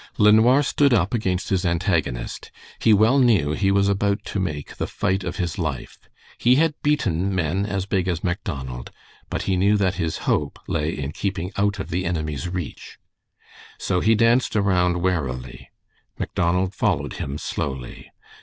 LeNoir stood up against his antagonist. He well knew he was about to make the fight of his life. He had beaten men as big as Macdonald, but he knew that his hope lay in keeping out of the enemy's reach. So he danced around warily. Macdonald followed him slowly.